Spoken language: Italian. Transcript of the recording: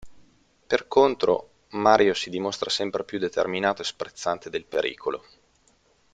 Per contro, Mario si dimostra sempre più determinato e sprezzante del pericolo.